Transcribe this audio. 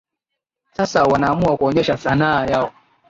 sasa wanaamua kuonyesha sanaa yao